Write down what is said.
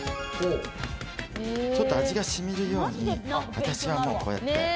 ちょっと味がしみるように、私はもうこうやって。